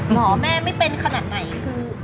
แม่ไม่เป็นขนาดไหนคือ